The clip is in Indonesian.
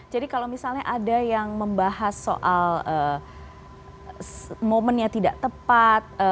jadi kalau misalnya ada yang membahas soal momennya tidak tepat